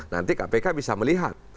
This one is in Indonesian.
nanti kpk bisa melihat